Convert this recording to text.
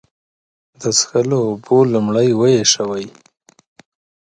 د څښلو اوبه لومړی وېشوئ.